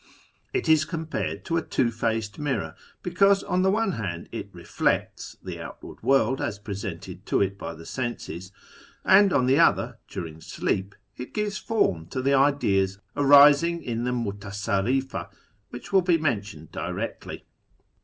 It is compared to a two faced mirror, because on the one hand it " reflects " the outward world as FoRE BRAix. | presented to it by the senses, and on the other, during sleep, it gives form to the ideas arising in the Mutasarrifa, which will be mentioned directly.